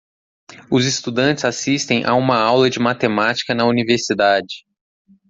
Os estudantes assistem a uma aula de matemática na universidade.